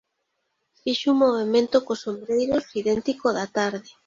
Fixo un movemento cos ombreiros idéntico ó da tarde.